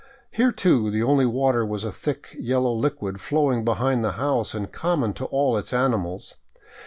Here, too, the only water was a thick yellow liquid flowing behind the house and common to all its animals.